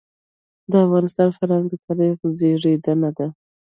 د افغانستان فرهنګ د تاریخ زېږنده دی.